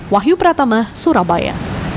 wahyu pratama surabaya